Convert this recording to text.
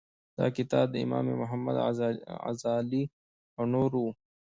دا کتاب د امام محمد غزالي او نورو و.